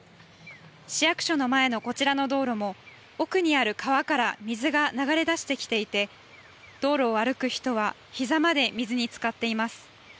市役所の前のこちらの道路も奥にある川から水が流れ出してきていて道路を歩く人はひざまで水につかっています。